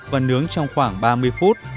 và nướng trong khoảng ba mươi phút